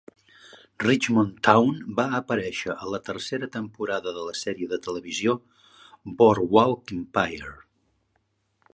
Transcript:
Richmond Town va aparèixer a la tercera temporada de la sèrie de televisió Boardwalk Empire.